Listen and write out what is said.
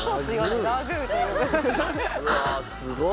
うわすごっ。